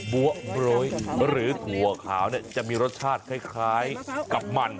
บัวโรยหรือถั่วขาวเนี่ยจะมีรสชาติคล้ายกับมัน